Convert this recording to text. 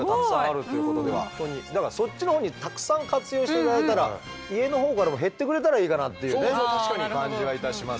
だからそっちのほうにたくさん活用して頂いたら家のほうからも減ってくれたらいいかなっていうね感じはいたしますけれどもね。